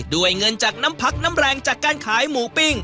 ด้วยเงินจากน้ำพักน้ำแรงจากการขายหมูปิ้ง